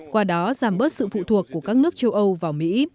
qua đó giảm bớt sự phụ thuộc của các nước châu âu vào mỹ